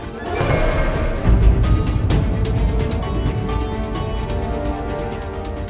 ternyata panagraj itu orang yang jahat capac tor sing fisca